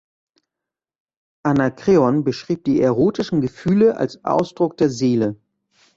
Anakreon beschrieb die erotischen Gefühle als Ausdruck der Seele.